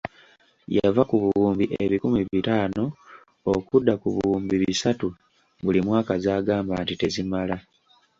Yava ku buwumbi ebikumi bitaano okudda ku buwumbi bisatu buli mwaka z'agamba nti tezimala.